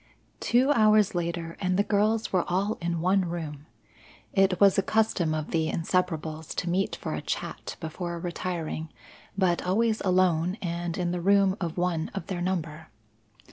Two hours later and the girls were all in one room. It was a custom of the Inseparables to meet for a chat before retiring, but always alone and in the room of one of their number.